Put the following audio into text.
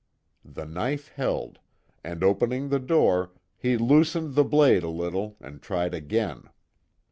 The knife held, and opening the door, he loosened the blade a little and tried again.